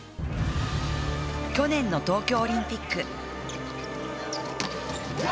去年の東京オリンピック。